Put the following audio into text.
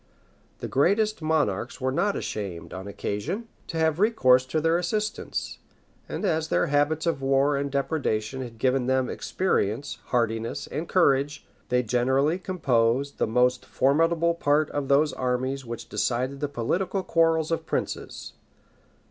The greatest monarchs were not ashamed, on occasion, to have recourse to their assistance; and as their habits of war and depredation had given them experience, hardiness, and courage, they generally composed the most formidable part of those armies which decided the political quarrels of princes.